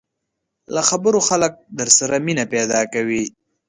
له خبرو خلک در سره مینه پیدا کوي